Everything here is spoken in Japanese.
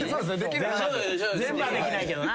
全部はできないけどな。